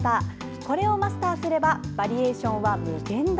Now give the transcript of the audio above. これをマスターすればバリエーションは無限大！